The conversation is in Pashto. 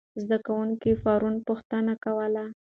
زده کوونکي پرون پوښتنې کولې.